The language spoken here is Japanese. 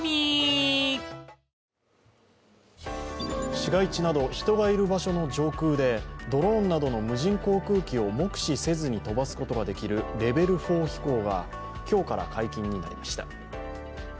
市街地など人がいる場所の上空でドローンなどの無人航空機を目視せずに飛ばすことができるレベル４飛行が今日から解禁になりました。